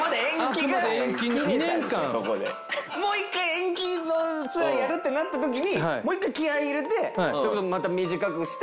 もう一回延期のツアーやるってなった時にもう一回気合入れてそれこそまた短くして。